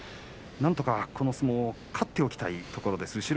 なんとかこの相撲勝っておきたいところです。